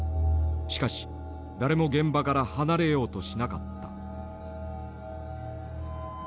しかし誰も現場から離れようとしなかった。